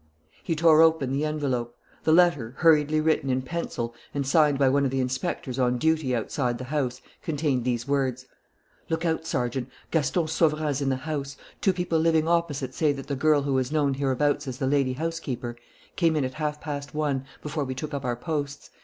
He tore open the envelope. The letter, hurriedly written in pencil and signed by one of the inspectors on duty outside the house, contained these words: "Look out, Sergeant. Gaston Sauverand is in the house. Two people living opposite say that the girl who is known hereabouts as the lady housekeeper came in at half past one, before we took up our posts.